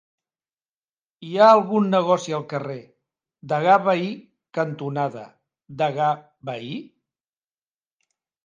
Hi ha algun negoci al carrer Degà Bahí cantonada Degà Bahí?